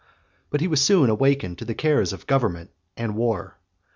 But he was soon awakened to the cares of government and war.